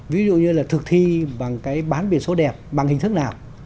ví dụ như là thực thi bằng cái bán biển số đẹp bằng hình thức nào